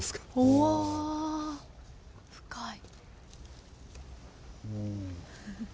おわ深い。